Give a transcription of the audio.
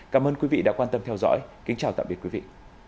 cảm ơn quý vị đã quan tâm theo dõi kính chào tạm biệt quý vị